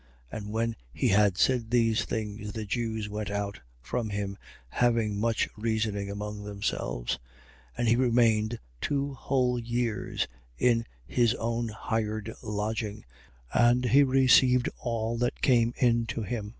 28:29. And when he had said these things, the Jews went out from him, having much reasoning among themselves. 28:30. And he remained two whole years in his own hired lodging: and he received all that came in to him, 28:31.